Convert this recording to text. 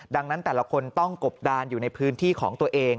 ดังนั้นแต่ละคนต้องกบดานอยู่ในพื้นที่ของตัวเอง